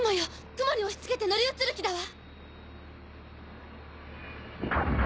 雲に押しつけて乗り移る気だわ！